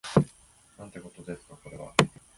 なんてことですかこれは